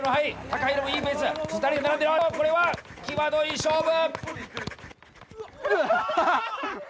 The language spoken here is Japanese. これは際どい勝負！